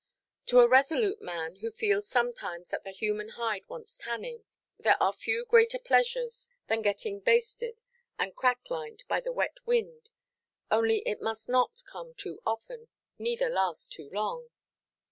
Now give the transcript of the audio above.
To a resolute man, who feels sometimes that the human hide wants tanning, there are few greater pleasures than getting basted and cracklined by the wet wind; only it must not come too often, neither last too long.